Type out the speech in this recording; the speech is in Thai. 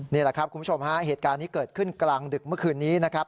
นี่แหละครับคุณผู้ชมฮะเหตุการณ์นี้เกิดขึ้นกลางดึกเมื่อคืนนี้นะครับ